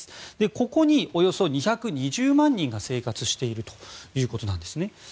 ここにおよそ２２０万人が生活しているということです。